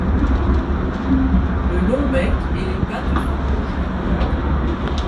Le long bec et les pattes sont rouges.